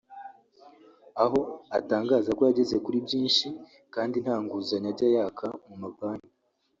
aho atangaza ko yageze kuri byinshi kandi nta nguzanyo ajya yaka mu mabanki